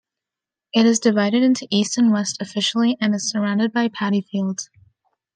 It is divided into east and west officially and is surrounded by paddy fields.